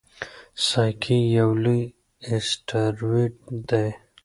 سایکي یو لوی اسټروېډ دی.